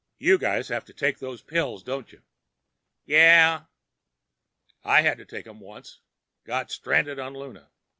"You guys have to take those pills, don't you?" "Yeah." "I had to take them once. Got stranded on Luna.